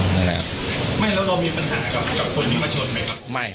ไม่แล้วเรามีปัญหากับคนที่มาชนไหมครับ